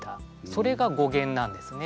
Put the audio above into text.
それが語源なんですね。